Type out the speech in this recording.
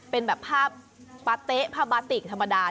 เป็นแบบผ้าปาเต๊ะผ้าบาติกธรรมดา